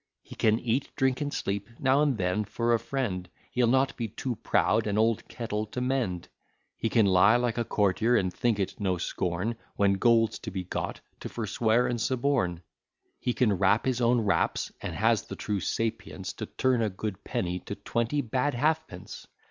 He can eat, drink, and sleep; now and then for a friend He'll not be too proud an old kettle to mend; He can lie like a courtier, and think it no scorn, When gold's to be got, to forswear and suborn. He can rap his own raps and has the true sapience, To turn a good penny to twenty bad halfpence.